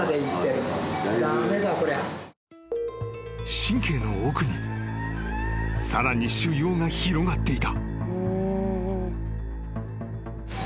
［神経の奥にさらに腫瘍が広がっていた］